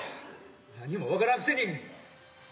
何も分からんくせに。